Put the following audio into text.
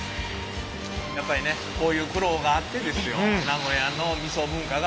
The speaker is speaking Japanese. やっぱりねこういう苦労があってですよ名古屋の味噌文化があるということです。